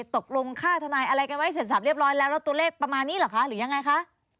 ตกลงค่าทนายอะไรกันไว้เสร็จสับเรียบร้อยแล้วแล้วตัวเลขประมาณนี้เหรอคะหรือยังไงคะ